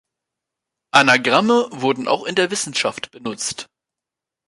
Anagramme wurden auch in der Wissenschaft benutzt.